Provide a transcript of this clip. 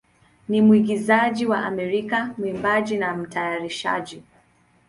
ni mwigizaji wa Amerika, mwimbaji, na mtayarishaji.